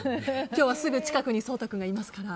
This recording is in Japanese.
今日はすぐ近くに颯太君がいますから。